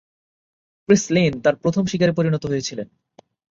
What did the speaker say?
Chris Lynn তার প্রথম শিকারে পরিণত হয়েছিলেন।